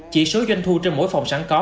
chỉ số doanh thu trên mỗi phòng sẵn có